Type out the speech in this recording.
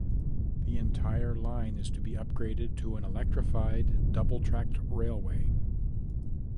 The entire line is to be upgraded to an electrified-double-tracked railway.